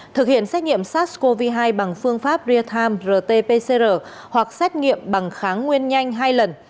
thực hiện xét nghiệm sars cov hai bằng phương pháp real time rt pcr hoặc xét nghiệm bằng kháng nguyên nhanh hai lần